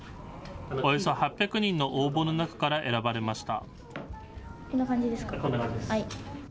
およそ８００人の応募の中から選ばれました。